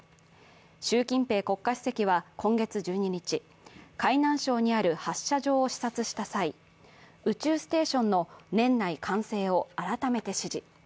習近平国家主席は今月１２日、海南省にある発射場を視察した際、宇宙ステーションの年内完成を改めて指示。